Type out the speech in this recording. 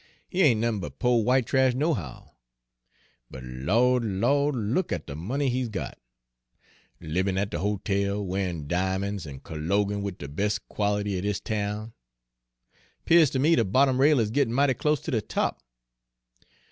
He ain' nothin' but po' w'ite trash nohow; but Lawd! Lawd! look at de money he's got, livin' at de hotel, wearin' di'mon's, an' colloguin' wid de bes' quality er dis town! 'Pears ter me de bottom rail is gittin' mighty close ter de top.